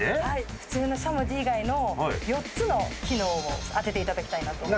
普通のしゃもじ以外の４つの機能を当てていただきたいなと。